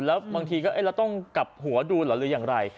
แล้วบางทีก็เราต้องกลับหัวดูเหรอหรืออย่างไร